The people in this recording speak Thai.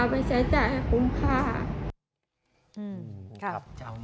เอาไปใช้จ่ายกรุ้มค่า